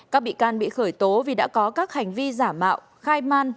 các bị can bị khởi tố vì đã có các hành vi giả mạo khai man